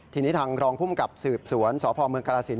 ทีนี้ทางรองภูมิกับสืบสวนสพเมืองกรสิน